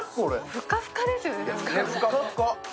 ふかふかですよね、これ。